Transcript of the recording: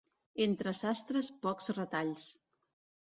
Entre sastres, pocs retalls.